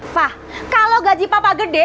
fah kalau gaji papa gede